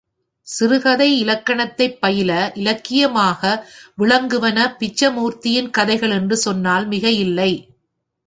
சிறுகதை இலக்கணத்தைப் பயில இலக்கியமாக விளங்குவன பிச்சமூர்த்தியின் கதைகள் என்று சொன்னால் மிகை இல்லை.